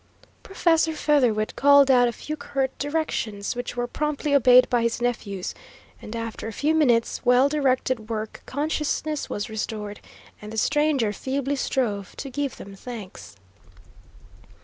Professor Featherwit called out a few curt directions, which were promptly obeyed by his nephews, and after a few minutes' well directed work consciousness was restored, and the stranger feebly strove to give them thanks.